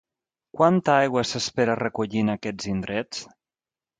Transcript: Quanta aigua s'espera recollir en aquests indrets?